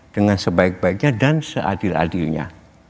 dengan sebaik baiknya dan seadil adilnya